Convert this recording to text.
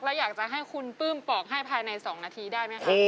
อยากจะให้คุณปลื้มปอกให้ภายใน๒นาทีได้ไหมคะ